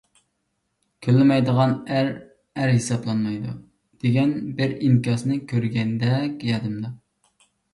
«كۈنلىمەيدىغان ئەر، ئەر ھېسابلانمايدۇ» دېگەن بىر ئىنكاسنى كۆرگەندەك يادىمدا.